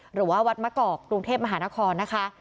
หรือว่าวัดมะกอกกรุงเทพมหานครนะคะ